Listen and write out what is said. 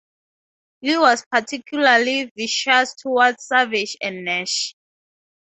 Lee was particularly vicious towards Savage and Nash.